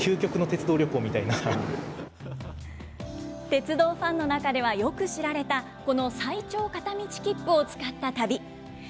鉄道ファンの中では、よく知られた、この最長片道切符を使った旅。